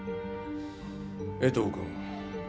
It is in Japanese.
江藤君。